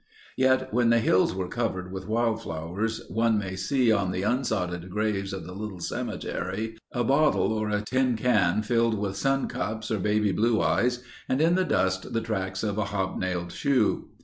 Yet, when the hills are covered with wild flowers one may see on the unsodded graves of the little cemetery a bottle or a tin can filled with sun cups or baby blue eyes and in the dust the tracks of a hobnailed shoe.